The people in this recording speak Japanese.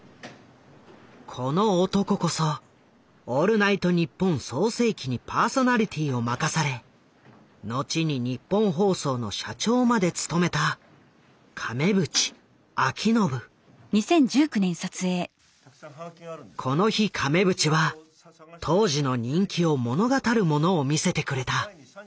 この男こそ「オールナイトニッポン」創成期にパーソナリティーを任され後にニッポン放送の社長まで務めたこの日亀渕は当時の人気を物語るものを見せてくれた。